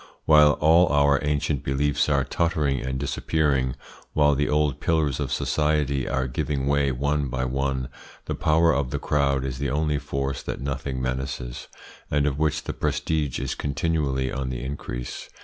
While all our ancient beliefs are tottering and disappearing, while the old pillars of society are giving way one by one, the power of the crowd is the only force that nothing menaces, and of which the prestige is continually on the increase.